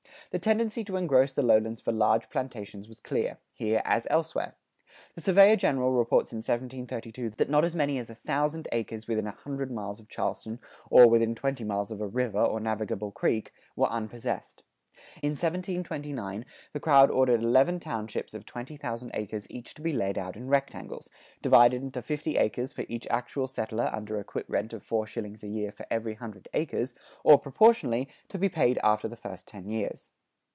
The tendency to engross the lowlands for large plantations was clear, here as elsewhere.[96:3] The surveyor general reports in 1732 that not as many as a thousand acres within a hundred miles of Charleston, or within twenty miles of a river or navigable creek, were unpossessed. In 1729 the crown ordered eleven townships of twenty thousand acres each to be laid out in rectangles, divided into fifty acres for each actual settler under a quit rent of four shillings a year for every hundred acres, or proportionally, to be paid after the first ten years.